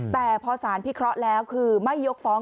แต่พอสารพิเคราะห์แล้วคือไม่ยกฟ้อง